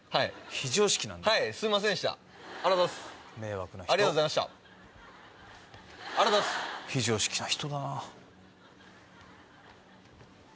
非常識な人だな。